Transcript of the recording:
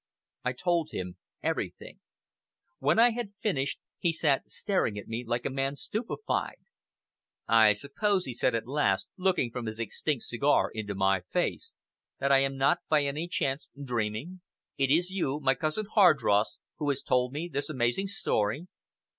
I told him everything. When I had finished he sat staring at me like a man stupefied. "I suppose," he said at last, looking from his extinct cigar into my face, "that I am not by any chance dreaming? It is you, my cousin Hardross, who has told me this amazing story."